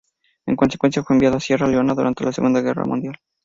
En consecuencia, fue enviado a Sierra Leona durante la Segunda Guerra Mundial.